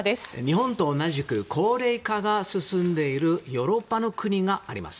日本と同じく高齢化が進んでいるヨーロッパの国があります。